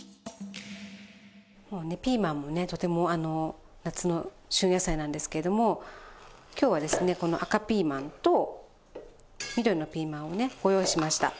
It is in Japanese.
もうねピーマンもねとても夏の旬野菜なんですけれども今日はですねこの赤ピーマンと緑のピーマンをねご用意しました。